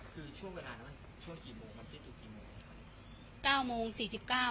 คือช่วงเวลานั้นช่วงกี่โมงมันซิ้นถึงกี่โมง